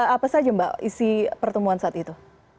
apa saja mbak isi pertemuan saat itu